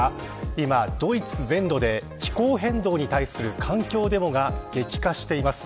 今ドイツ全土で気候変動に対する環境デモが激化しています。